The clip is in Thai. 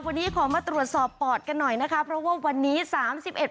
วันนี้ขอมาตรวจสอบปอดกันหน่อยนะคะเพราะว่าวันนี้สามสิบเอ็ด